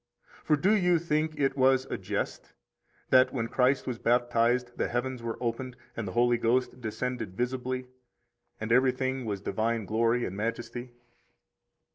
For do you think it was a jest that, when Christ was baptized, the heavens were opened and the Holy Ghost descended visibly, and everything was divine glory and majesty?